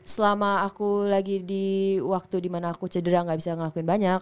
selama aku lagi di waktu dimana aku cedera gak bisa ngelakuin banyak